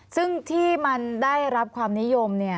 ซึ่งที่มันได้รับความนิยม